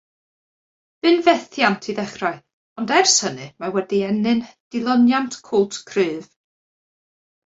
Bu'n fethiant i ddechrau, ond ers hynny mae wedi ennyn dilyniant cwlt cryf.